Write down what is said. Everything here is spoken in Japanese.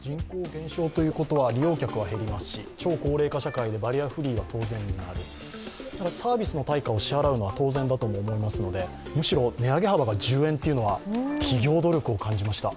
人口減少ということは利用客も減りますし超高齢化社会でバリアフリーが当然必要になるサービスの対価を支払うのは当然だと思いますので、むしろ値上げ幅が１０円というのは企業努力を感じました。